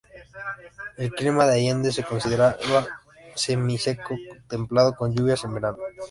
El clima de Allende se considera semi seco templado con lluvias en verano.